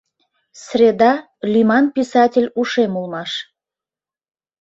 «Среда» лӱман писатель ушем улмаш.